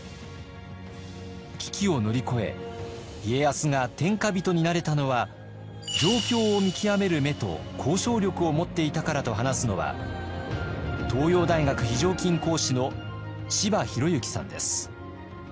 危機を乗り越え家康が天下人になれたのは状況を見極める目と交渉力を持っていたからと話すのは東洋大学非常勤講師の柴裕之さんです。